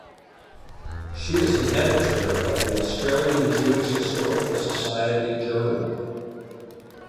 She is an editor of the "Australian Jewish Historical Society Journal".